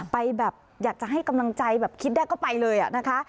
ไปแบบอยากจะให้กำลังใจแบบคิดได้ก็ไปเลยนะคะ